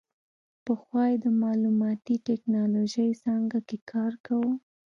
پخوا یې د معلوماتي ټیکنالوژۍ څانګه کې کار کاوه.